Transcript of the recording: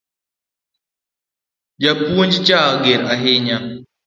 Japuonj cha ger ahinya